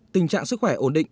tình trạng sức khỏe ổn định